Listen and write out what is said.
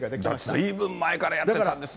ずいぶん前からやってたんですね。